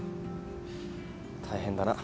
大変だな。